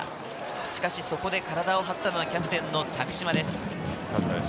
しかし、そこで体を張ったのはキャプテンの多久島です。